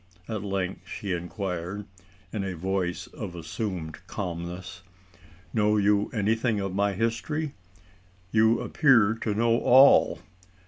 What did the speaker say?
at length she inquired, in a voice of assumed calmness. "Know you anything of my history? You appear to know all.